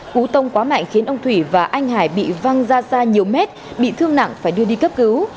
cú tông quá mạnh khiến ông thủy và anh hải bị văng ra xa nhiều mét bị thương nặng phải đưa đi cấp cứu